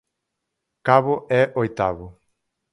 Cabo é oitavo.